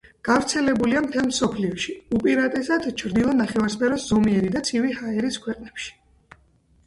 გავრცელებულია მთელ მსოფლიოში, უპირატესად ჩრდილო ნახევარსფეროს ზომიერი და ცივი ჰავის ქვეყნებში.